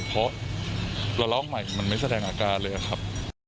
เพราะระลอกใหม่มันไม่แสดงอากาศเลยอะครับ